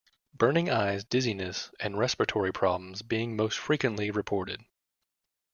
Burning eyes, dizziness and respiratory problems being most frequently reported.